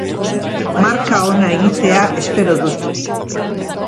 Marka ona egitea espero dut.